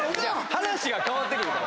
話が変わってくるから。